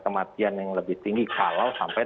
kematian yang lebih tinggi kalau sampai